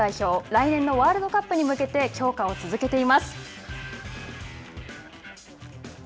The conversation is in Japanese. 来年のワールドカップに向けて強化を続けています。